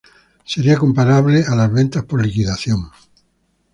Sería comparable a las ventas por liquidación.